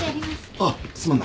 あっすまんな。